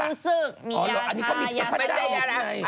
อันนั้นไม่รู้สึกมียาชายาสะเจ้าอยู่ในน่ะ